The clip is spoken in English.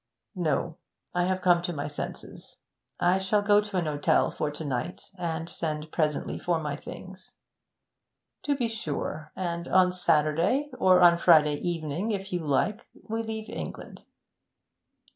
'No. I have come to my senses. I shall go to an hotel for to night, and send presently for all my things.' 'To be sure, and on Saturday or on Friday evening, if you like, we leave England.'